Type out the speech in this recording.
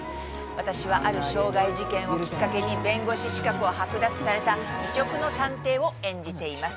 私は、ある傷害事件をきっかけに弁護士資格を剥奪された異色の探偵を演じています。